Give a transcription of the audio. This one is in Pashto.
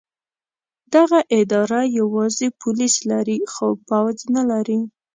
دغه اداره یوازې پولیس لري خو پوځ نه لري.